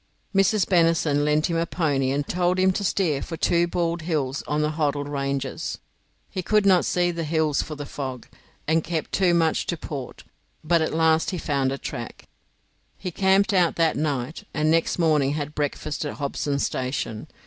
Mrs. Bennison lent him a pony, and told him to steer for two bald hills on the Hoddle Ranges; he could not see the hills for the fog, and kept too much to port, but at last he found a track. He camped out that night, and next morning had breakfast at Hobson's Station.